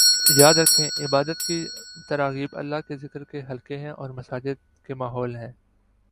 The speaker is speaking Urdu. یاد رکھیں عبادت کی تراغیب اللہ کے ذکر کے حلقے ہیں اور مساجد کے ماحول ہیں